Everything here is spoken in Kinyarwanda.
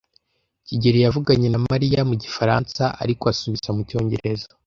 kigeli yavuganye na Mariya mu Gifaransa, ariko asubiza mu Cyongereza.